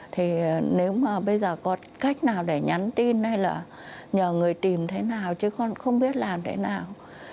thì nếu mà bây giờ có cách nào để nhắn tin hay là nhờ người tìm thế nào chứ con không biết làm thế nào